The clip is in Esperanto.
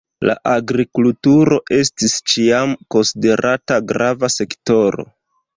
La agrikulturo estis ĉiam konsiderata grava sektoro.